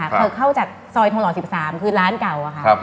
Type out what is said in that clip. เขาเข้าจากซอยทองหล่อ๑๓คือร้านเก่า